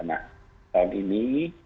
nah tahun ini